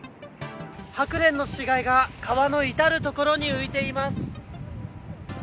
ハクレンの死骸が川の至る所に浮いています。